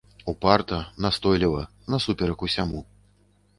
Упарта, настойліва, насуперак усяму.